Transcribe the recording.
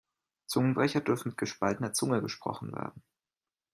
Zungenbrecher dürfen mit gespaltener Zunge gesprochen werden.